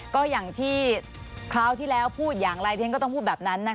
ก็อย่างที่คราวที่แล้วพูดอย่างไรที่ฉันก็ต้องพูดแบบนั้นนะคะ